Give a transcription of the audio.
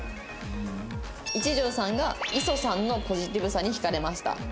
一条さんが「礒さんのポジティブさに引かれました」。